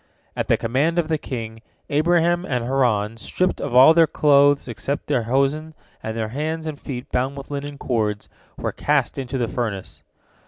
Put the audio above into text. At the command of the king, Abraham and Haran, stripped of all their clothes except their hosen, and their hands and feet bound with linen cords, were cast into the furnace.